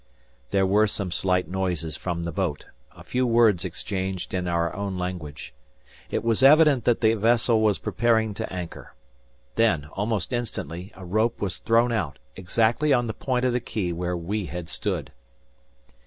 There were some slight noises from the boat, a few words exchanged in our own language. It was evident that the vessel was preparing to anchor. Then almost instantly, a rope was thrown out, exactly on the point of the quay where we had stood.